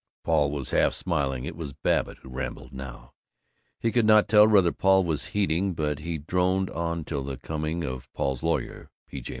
Paul was half smiling. It was Babbitt who rambled now. He could not tell whether Paul was heeding, but he droned on till the coming of Paul's lawyer, P. J.